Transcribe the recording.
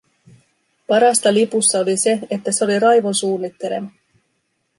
Parasta lipussa oli se, että se oli Raivon suunnittelema.